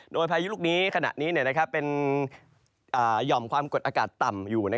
โดยพายุลูกนี้ขณะนี้เป็นหย่อมความกดอากาศต่ำอยู่